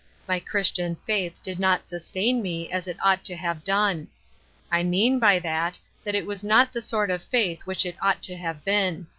My Christian faith did not sustain me as it ought to have done. I mean by that, that it was not the sort of faith which it ought to have been.